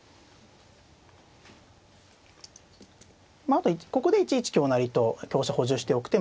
あとここで１一香成と香車補充しておく手もありますね。